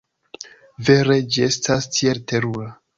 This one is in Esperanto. Vere. Ĝi estas tiel terura.